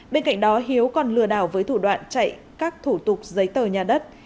bên cạnh đó hiếu còn lừa đảo với thủ đoạn chạy các thủ tục giấy tờ nhà đất